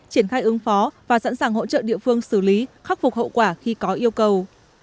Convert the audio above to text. triển khai ứng phó và sẵn sàng hỗ trợ địa phương xử lý khắc phục hậu quả khi có yêu cầu